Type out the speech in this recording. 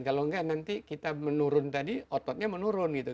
kalau enggak nanti kita menurun tadi ototnya menurun gitu